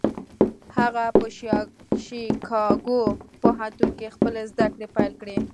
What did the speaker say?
هغه په شيکاګو پوهنتون کې خپلې زدهکړې پيل کړې.